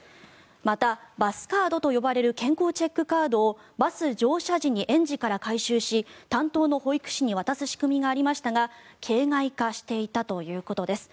また、バスカードと呼ばれる健康チェックカードをバス乗車時に園児から回収し担当の保育士に渡す仕組みがありましたが形骸化していたということです。